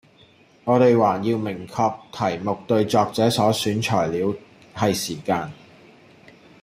我哋還要明確題目對作者所選材料喺時間